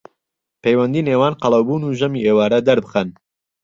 پەیوەندی نێوان قەڵەوبوون و ژەمی ئێوارە دەربخەن